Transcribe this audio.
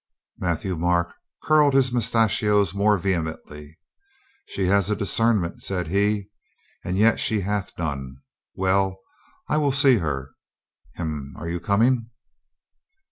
Matthieu Marc curled his moustachios more ve hemently. "She has a discernment," said he. "And yet she hath none. Well, I will see her. ... Hem ! Are you coming?"